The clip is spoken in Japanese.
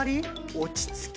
落ち着き？